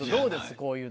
こういうの。